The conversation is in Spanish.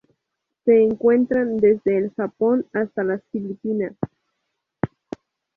Se encuentran desde el Japón hasta las Filipinas.